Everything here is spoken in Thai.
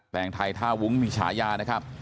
งไทยท่าวุ้งมีฉายานะครับ